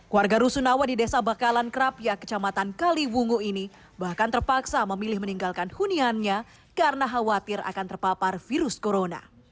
warga rusunawa di desa bakalan krapia kecamatan kaliwungu ini bahkan terpaksa memilih meninggalkan huniannya karena khawatir akan terpapar virus corona